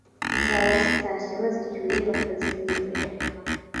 Zaba zitashye bazicyuye bakaziririmbira “amahamba,